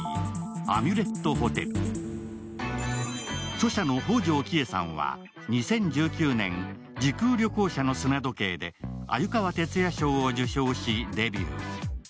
著者の方丈貴恵さんは２０１９年「時空旅行者の砂時計」で鮎川哲也賞を受賞しデビュー。